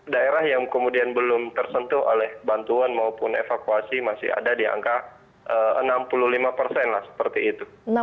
daerah yang kemudian belum tersentuh oleh bantuan maupun evakuasi masih ada di angka enam puluh lima persen lah seperti itu